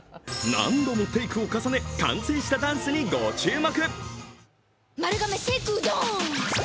何度もテイクを重ね、完成したダンスに注目。